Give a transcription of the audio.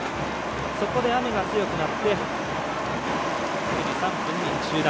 そこで雨が強くなって９時３分に中断。